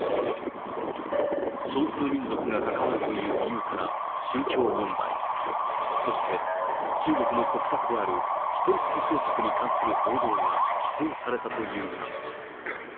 少数民族が関わるという理由から宗教問題、そして中国の国策である一人っ子政策に関する報道が規制されたというが。